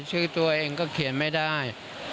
ชื่อตัวเองก็เขียนไม่ได้